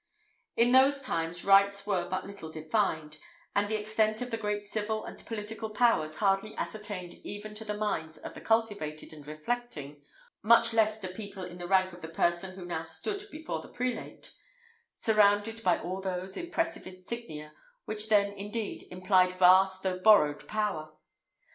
In those times rights were but little defined, and the extent of the great civil and political powers hardly ascertained even to the minds of the cultivated and reflecting, much less to people in the rank of the person who now stood before the prelate, surrounded by all those impressive insignia which then, indeed, implied vast though borrowed power.